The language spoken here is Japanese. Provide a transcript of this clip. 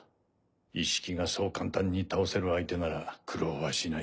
イッシキがそう簡単に倒せる相手なら苦労はしない。